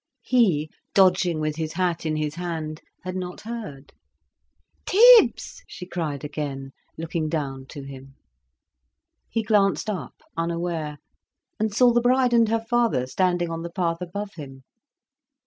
He, dodging with his hat in his hand, had not heard. "Tibs!" she cried again, looking down to him. He glanced up, unaware, and saw the bride and her father standing on the path above him.